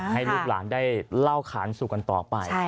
ให้ลูกหลานได้เล่าขานสู่กันต่อไป